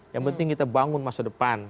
yang penting kita bangun masa depan